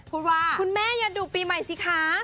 พูดว่าคุณแม่อย่าดูปีใหม่สิคะ